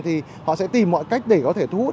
thì họ sẽ tìm mọi cách để có thể thu hút